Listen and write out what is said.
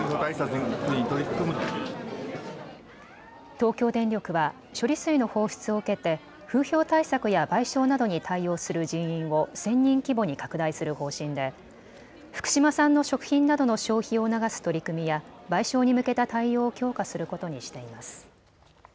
東京電力は処理水の放出を受けて風評対策や賠償などに対応する人員を１０００人規模に拡大する方針で福島産の食品などの消費を促す取り組みや賠償に向けた対応を強化することにしています。